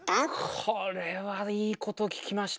これはいいこと聞きました。